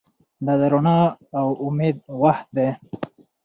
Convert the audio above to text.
دا د رڼا او امید وخت دی.